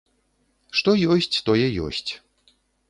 Што ёсць, тое ёсць.